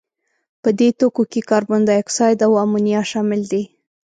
په دې توکو کې کاربن دای اکساید او امونیا شامل دي.